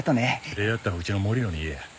礼やったらうちの森野に言えや。